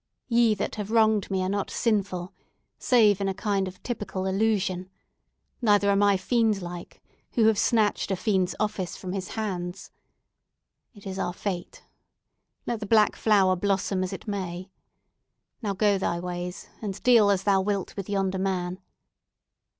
Ye that have wronged me are not sinful, save in a kind of typical illusion; neither am I fiend like, who have snatched a fiend's office from his hands. It is our fate. Let the black flower blossom as it may! Now, go thy ways, and deal as thou wilt with yonder man."